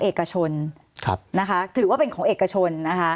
สวัสดีครับทุกคน